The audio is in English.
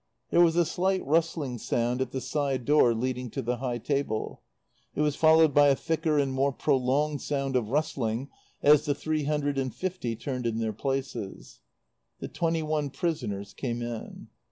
There was a slight rustling sound at the side door leading to the high table. It was followed by a thicker and more prolonged sound of rustling as the three hundred and fifty turned in their places. The twenty one prisoners came in.